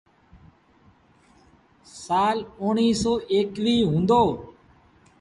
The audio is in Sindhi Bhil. سآل اُڻيٚه سو ايڪآنوي هُݩدو۔